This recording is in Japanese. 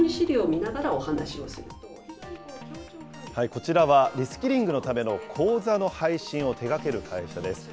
こちらは、リスキリングのための講座の配信を手がける会社です。